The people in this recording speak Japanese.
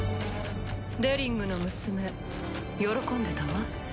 デリングの娘喜んでたわ。